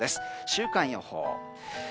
週間予報。